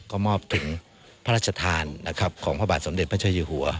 ก็มอบถึงพระราชทานนะครับของพระบาทสมเด็จพระเจ้าอยู่หัว